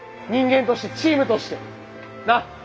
人間としてチームとしてなっ？